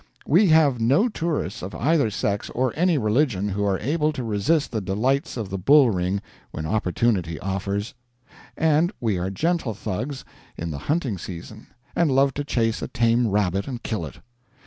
We have no tourists of either sex or any religion who are able to resist the delights of the bull ring when opportunity offers; and we are gentle Thugs in the hunting season, and love to chase a tame rabbit and kill it.